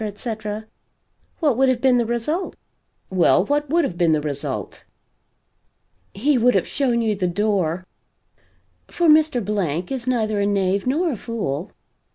etc.; what would have been the result?" "Well, what WOULD have been the result?" "He would have shown you the door! For Mr. Blank is neither a knave nor a fool.